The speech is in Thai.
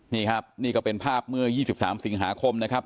นี่ครับนี่ก็เป็นภาพเมื่อ๒๓สิงหาคมนะครับ